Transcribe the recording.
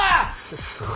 すすごい。